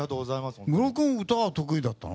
ムロ君、歌は得意だったの？